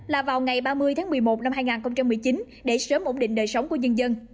là vào ngày ba mươi tháng một mươi một năm hai nghìn một mươi chín để sớm ổn định đời sống của nhân dân